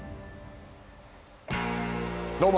どうも！